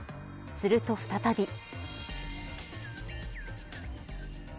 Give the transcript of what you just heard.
すると再び。